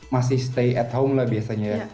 masih stay at home lah biasanya ya